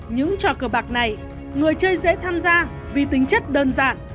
những trò cờ bạc này người chơi dễ tham gia vì tính chất đơn giản